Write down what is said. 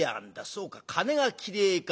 そうか金が嫌えか。